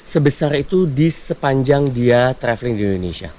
sebesar itu di sepanjang dia traveling di indonesia